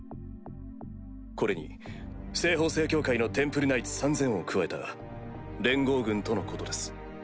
これに西方聖教会のテンプルナイツ３０００を加えた連合軍とのことです。